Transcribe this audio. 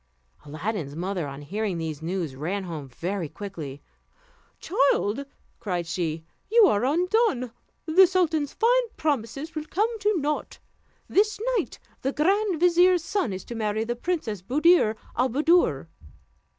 Aladdin's mother, on hearing these news, ran home very quickly. "Child," cried she, "you are undone! the sultan's fine promises will come to nought. This night the grand vizier's son is to marry the Princess Buddir al Buddoor."